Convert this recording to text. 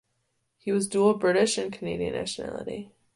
He has dual British and Canadian nationality.